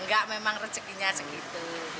nggak memang rezekinya segitu